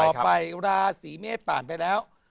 ต่อไปราศีเมษผ่านไปแล้ว